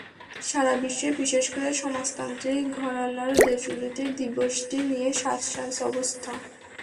সারা বিশ্বে, বিশেষ করে সমাজতান্ত্রিক ঘরানার দেশগুলোতে দিবসটি নিয়ে সাজ সাজ অবস্থা।